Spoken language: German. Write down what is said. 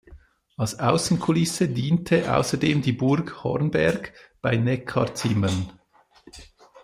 Als Außenkulisse diente außerdem die Burg Hornberg bei Neckarzimmern.